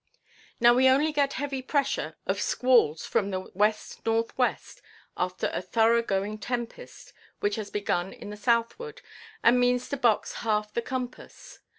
Now we only get heavy pressure of squalls from the west–north–west after a thorough–going tempest which has begun in the southward, and means to box half the compass.